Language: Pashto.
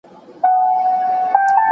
زوړ خر، نوې توبره.